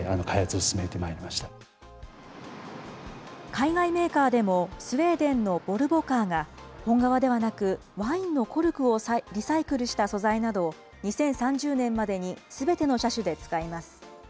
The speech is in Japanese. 海外メーカーでもスウェーデンのボルボ・カーが、本革ではなく、ワインのコルクをリサイクルした素材などを２０３０年までにすべ